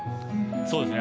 そうですね。